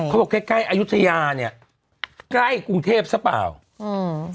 ใกล้ใกล้อายุทยาเนี้ยใกล้กรุงเทพซะเปล่าอืม